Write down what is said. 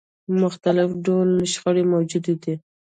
مختلف ډوله شخړې موجودې دي.